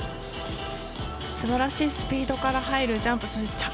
すばらしいスピードから入るジャンプです。